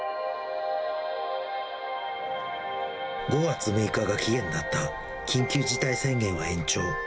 ５月６日が期限だった緊急事態宣言は延長。